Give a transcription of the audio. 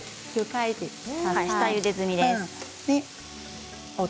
下ゆで済みです。